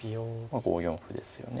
５四歩ですよね